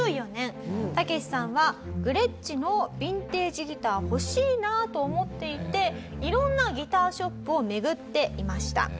タケシさんはグレッチのヴィンテージギター欲しいなと思っていて色んなギターショップを巡っていました。